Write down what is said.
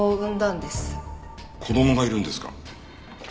子供がいるんですか？